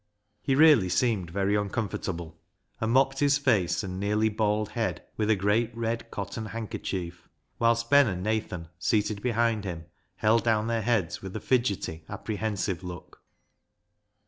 He really seemed very uncomfort able, and mopped his face and nearly bald head with a great red cotton handkerchief, whilst Ben and Nathan, seated behind him, held down their heads with a fidgety, apprehensive look.